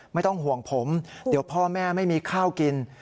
ไม่ต้องห่วงผมเดี๋ยวพ่อแม่ไม่มีข้าวกิน